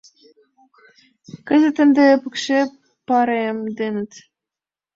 Кызыт ынде пыкше паремденыт.